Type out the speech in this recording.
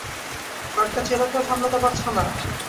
কযেকটা চেলাকেও সামলাতে পারছো না?